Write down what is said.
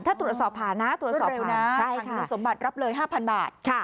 ถ้าตรวจสอบผ่านนะตรวจสอบผ่านเร็วนะผ่านเงินสมบัติรับเลย๕๐๐๐บาท